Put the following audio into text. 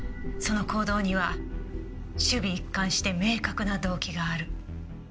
その行動には首尾一貫して明確な動機がある。